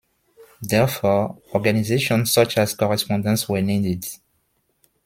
Therefore, organizations such as Correspondence were needed.